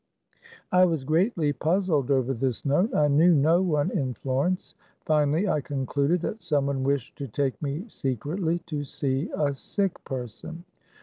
I was greatly puz zled over this note. I knew no one in Florence. Finally I concluded that some one wished to take me secretly to see a sick person.